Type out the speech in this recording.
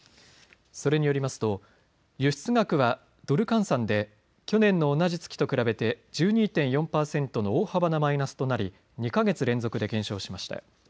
それによりますと輸出額はドル換算で去年の同じ月と比べて１２．４％の大幅なマイナスとなり２か月連続で減少しました。